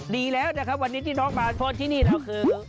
ดีแล้วนะครับวันนี้ที่น้องมาโทษที่นี่เราคือ